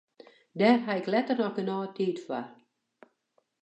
Dêr haw ik letter noch genôch tiid foar.